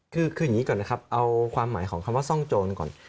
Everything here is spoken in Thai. คืออย่างนี้ก่อนนะครับเอาความหมายของคำว่าซ่องโจรก่อน